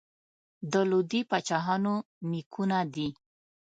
د لودي پاچاهانو نیکونه دي.